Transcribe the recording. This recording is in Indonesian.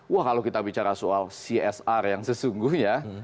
wah kalau kita bicara soal csr yang sesungguhnya